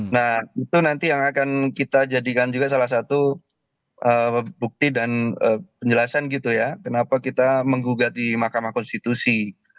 nah itu nanti yang akan kita jadikan juga salah satu bukti dan penjelasan gitu ya kenapa kita menggugat di mahkamah konstitusi